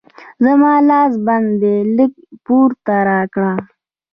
زما لاس بند دی؛ لږ پور راکړه.